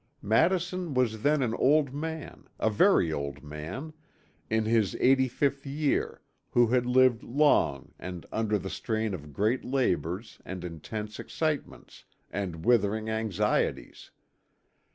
Madison was then an old man a very old man in his 85th year who had lived long and under the strain of great labors and intense excitements and withering anxieties.